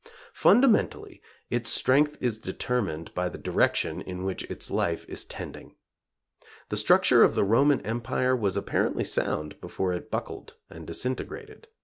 Fundamentally its strength is determined by the direction in which its life is tending. The structure of the Roman Empire was apparently sound before it buckled and disintegrated.